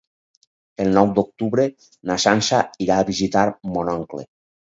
El nou d'octubre na Sança irà a visitar mon oncle.